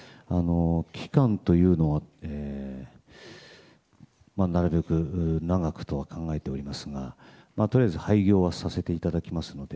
期間というのはなるべく長くとは考えておりますがとりあえず廃業はさせていただきますので。